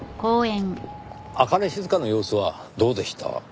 朱音静の様子はどうでした？